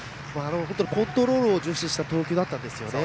コントロールを重視した投球だったんですよね。